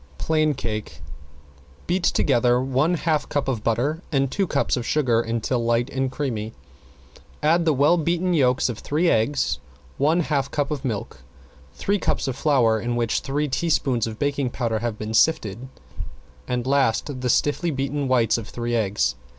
~PLAIN CAKE~ Beat together one half cup of butter and two cups of sugar until light and creamy, add the well beaten yolks of three eggs, one half cup of milk, three cups of flour in which three teaspoons of baking powder have been sifted, and last the stiffly beaten whites of three eggs.